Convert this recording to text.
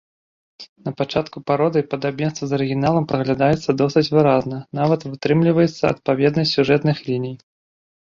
Напачатку пародыі падабенства з арыгіналам праглядаецца досыць выразна, нават вытрымліваецца адпаведнасць сюжэтных ліній.